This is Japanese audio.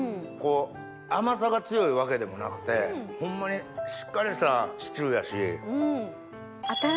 甘さが強いわけでもなくてホンマにしっかりしたシチューやし。